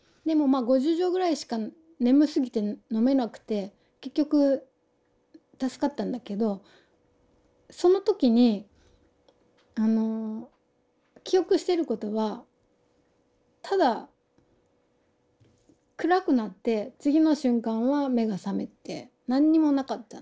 でも５０錠ぐらいしか眠すぎて飲めなくて結局助かったんだけどその時に記憶してることはただ暗くなって次の瞬間は目が覚めて何にもなかった。